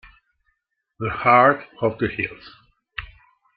The Heart of the Hills